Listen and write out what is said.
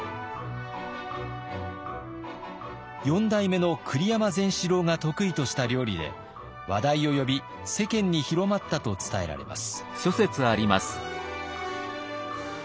４代目の栗山善四郎が得意とした料理で話題を呼び世間に広まったと伝えられます。